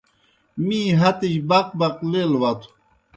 می ہتِجیْ بق بق لیل وتھوْ۔